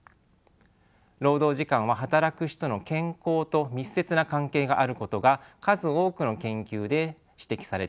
労働時間は働く人の健康と密接な関係があることが数多くの研究で指摘されています。